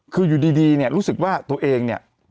คืออยู่ดีเนี่ยรู้สึกว่าตัวเองเนี่ย